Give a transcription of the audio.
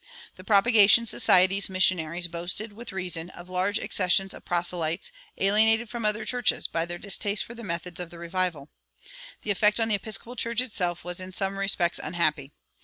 The Propagation Society's missionaries boasted, with reason, of large accessions of proselytes alienated from other churches by their distaste for the methods of the revival. The effect on the Episcopal Church itself was in some respects unhappy.